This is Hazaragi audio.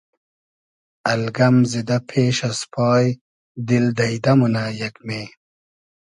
الگئم زیدۂ پېش از پای دیل دݷدۂ مونۂ یېگمې